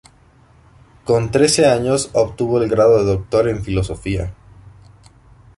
Con trece años obtuvo el grado de doctor en filosofía.